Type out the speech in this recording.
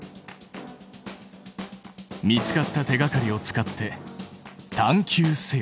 見つかった手がかりを使って探究せよ！